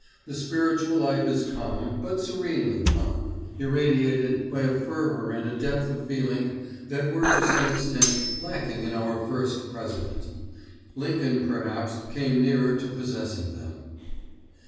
The spiritual life is calm, but serenely calm; irradiated by a fervor and a depth of feeling that were to some extent lacking in our first president. Lincoln, perhaps, came nearer to possessing them.